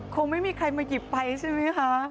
คงไม่มีใครมาหยิบไปใช่ไหมคะ